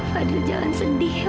fadil jangan sedih ya fadil